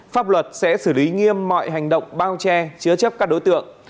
pháp luật sẽ xử lý nghiêm mọi hành động bao che chứa chấp các đối tượng